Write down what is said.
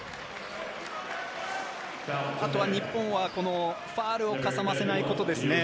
あとは日本はファウルをかさませないことですね。